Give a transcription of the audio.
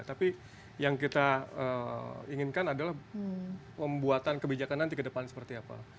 tapi yang kita inginkan adalah pembuatan kebijakan nanti ke depan seperti apa